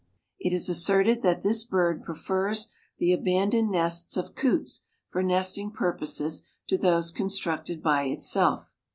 It is asserted that this bird prefers the abandoned nests of coots for nesting purposes to those constructed by itself.